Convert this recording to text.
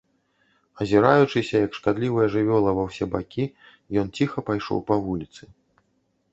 Азіраючыся, як шкадлівая жывёла, ва ўсе бакі, ён ціха пайшоў па вуліцы.